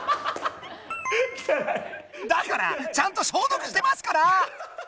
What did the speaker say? だからちゃんと消毒してますから！